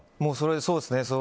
そうですね。